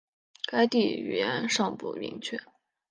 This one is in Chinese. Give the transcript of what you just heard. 该地语源尚不明确。